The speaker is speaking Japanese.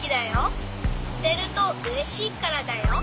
あてるとうれしいからだよ。